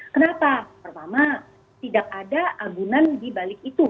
kenapa pertama tidak ada agunan di balik itu